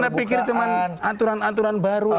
kalau anda pikir cuma aturan aturan baru